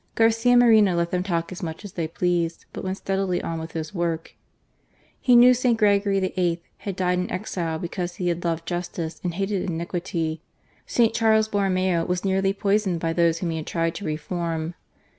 Garcia Moreno let them talk as much as they pleased, but went steadily on with his work. He knew St. Gregory VIL had died in exile because he had loved justice and hated iniquity. St. Charles Borromeo was nearly poisoned by those whom he had tried to reform.